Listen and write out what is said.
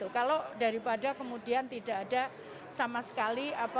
kalau daripada kemudian tidak ada sama sekali